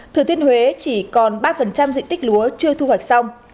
thừa thiên huế chỉ còn ba diện tích lúa chưa thu hoạch xong